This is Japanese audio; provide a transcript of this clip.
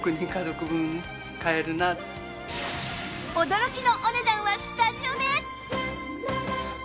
驚きのお値段はスタジオで！